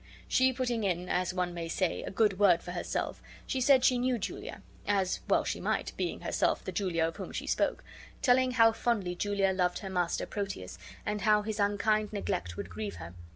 She putting in (as one may say) a good word for herself, said she knew Julia; as well she might, being herself the Julia of whom she spoke; telling how fondly Julia loved her master, Proteus, and how his unkind neglect would grieve her.